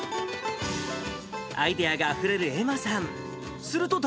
アイデアがあふれる愛茉さん。